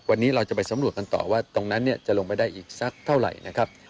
วันนี้เราจะไปสำรวจกันต่อว่าตรงนั้นจะลงไปได้อีกสักเท่าไหร่นะครับ